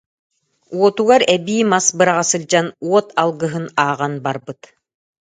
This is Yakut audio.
Уотугар эбии мас быраҕа сылдьан, уот алгыһын ааҕан барбыт